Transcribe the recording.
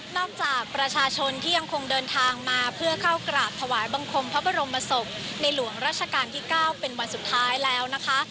จากประชาชนที่ยังคงเดินทางมาเพื่อเข้ากราบถวายบังคมพระบรมศพในหลวงราชการที่๙เป็นวันสุดท้ายแล้วนะคะ